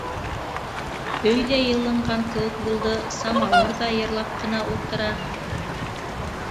Өй ҙә йылынған кеүек булды, самауыр ҙа йырлап ҡына ултыра.